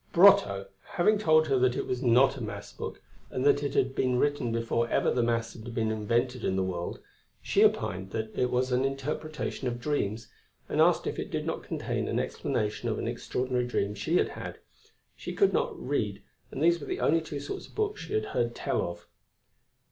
Brotteaux having told her that it was not a Mass book, and that it had been written before ever the Mass had been invented in the world, she opined it was an Interpretation of Dreams, and asked if it did not contain an explanation of an extraordinary dream she had had. She could not read and these were the only two sorts of books she had heard tell of.